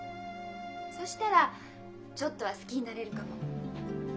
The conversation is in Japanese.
そしたらちょっとは好きになれるかも。